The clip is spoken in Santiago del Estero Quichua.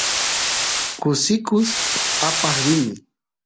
kusikus aqaq rini